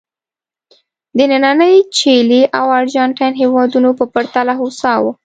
د نننۍ چیلي او ارجنټاین هېوادونو په پرتله هوسا وو.